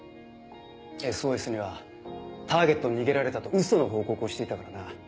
「ＳＯＳ」にはターゲットに逃げられたとウソの報告をしていたからな。